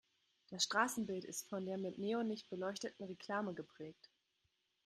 Das Straßenbild ist von der mit Neonlicht beleuchteten Reklame geprägt.